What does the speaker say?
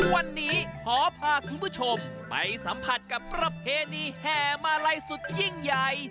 วันนี้ขอพาคุณผู้ชมไปสัมผัสกับประเพณีแห่มาลัยสุดยิ่งใหญ่